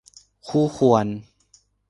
คู่ควร